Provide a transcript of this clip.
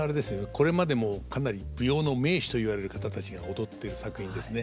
これまでもかなり舞踊の名手と言われる方たちが踊ってる作品ですね。